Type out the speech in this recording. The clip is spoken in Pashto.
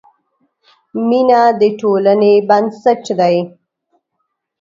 مینه د ټولنې بنسټ دی.